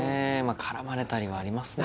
絡まれたりはありますね